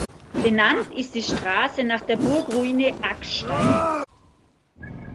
Benannt ist die Straße nach der Burgruine Aggstein.